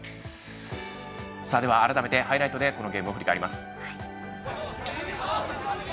改めてハイライトでこのゲームを振り返ります。